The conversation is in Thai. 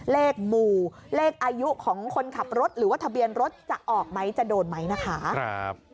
เลขหมู่เลขอายุของคนขับรถหรือว่าทะเบียนรถจะออกไหมจะโดนไหมนะคะ